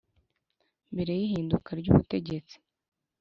mbere y’ihinduka ry’ubutegetsi